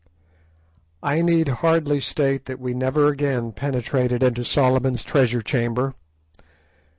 I need hardly state that we never again penetrated into Solomon's treasure chamber.